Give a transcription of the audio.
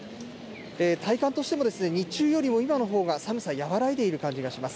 体感としても日中よりも今のほうが寒さ、和らいでいる感じがします。